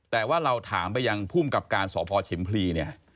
แต่ว่าเราถามไปยังภูมิกับการสหพว่าเช็มพรี